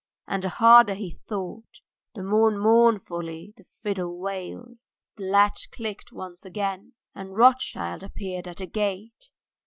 And the harder he thought, the more mournfully the fiddle wailed. The latch clicked once and again, and Rothschild appeared at the gate.